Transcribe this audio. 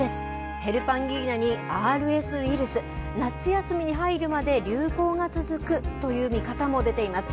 ヘルパンギーナにＲＳウイルス、夏休みに入るまで流行が続くという見方も出ています。